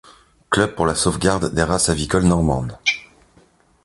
Club pour la sauvegarde des races avicoles normandes.